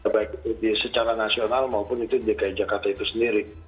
baik secara nasional maupun itu dki jakarta itu sendiri